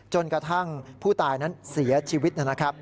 จนกระทั่งผู้ตายนั้นเสียชีวิต